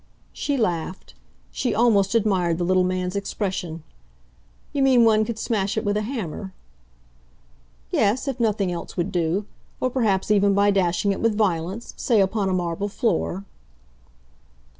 She laughed; she almost admired the little man's expression. "You mean one could smash it with a hammer?" "Yes; if nothing else would do. Or perhaps even by dashing it with violence say upon a marble floor."